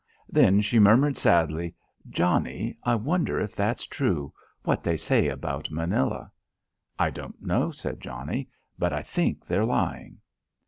Then she murmured sadly: "Johnnie, I wonder if that's true what they say about Manila?" "I don't know," said Johnnie, "but I think they're lying."